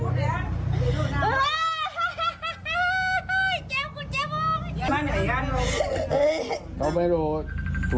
อือเดะไปแล้วเดะไปแล้ว